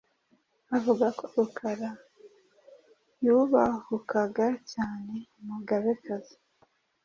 avuga ko Rukara yubahukaga cyane umugabekazi